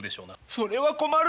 それは困る！